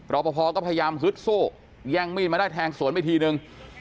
รอปภก็พยายามฮึดสู้แย่งมีดมาได้แทงสวนไปทีนึง